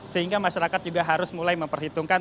sehingga masyarakat juga harus mulai memperhitungkan